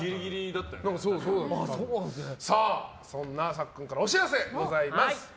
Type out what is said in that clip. そんなさっくんからお知らせございます。